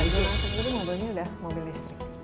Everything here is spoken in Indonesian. jadi mobilnya udah mobil listrik